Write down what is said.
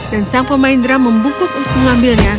dan sang pemain drum membungkuk pengambilnya